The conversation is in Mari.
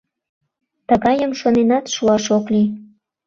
— Тыгайым шоненат шуаш ок лий.